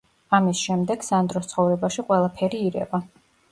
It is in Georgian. ამის შემდეგ სანდროს ცხოვრებაში ყველაფერი ირევა.